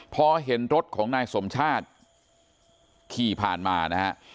พอเห็นรถของนายสมชาติขี่ผ่านมานะฮะ